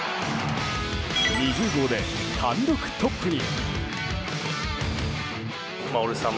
２０号で単独トップに。